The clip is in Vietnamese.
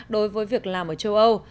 đối với việc làm ở châu âu